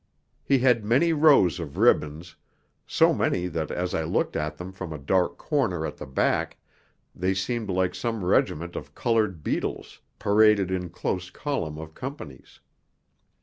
He had many rows of ribbons, so many that as I looked at them from a dark corner at the back, they seemed like some regiment of coloured beetles, paraded in close column of companies.